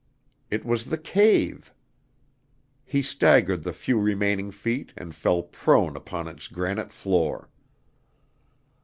It was the cave. He staggered the few remaining feet and fell prone upon its granite floor.